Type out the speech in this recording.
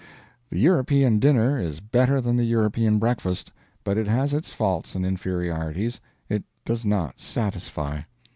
The European dinner is better than the European breakfast, but it has its faults and inferiorities; it does not satisfy.